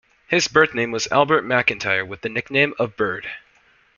His birth-name was Albert McIntyre with the nickname of Bird.